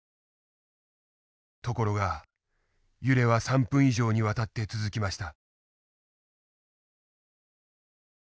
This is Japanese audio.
ところが揺れは３分以上にわたって続きました。